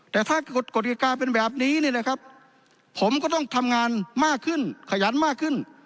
แต่ถ้ากฎิกาเป็นแบบนี้เนี่ยนะครับผมก็ต้องทำงานมากขึ้นขยันมากขึ้น